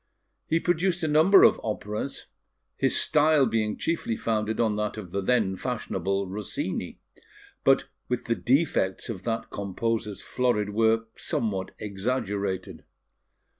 He produced a number of operas, his style being chiefly founded on that of the then fashionable Rossini, but with the defects of that composer's florid work somewhat exaggerated.